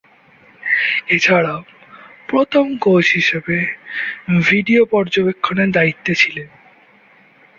এছাড়াও, প্রথম কোচ হিসেবে ভিডিও পর্যবেক্ষণে দায়িত্বে ছিলেন।